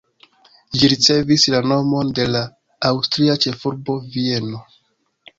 Ĝi ricevis la nomon de la aŭstria ĉefurbo Vieno.